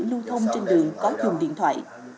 nhóm thông trên đường có dùng điện thoại